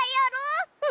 うん！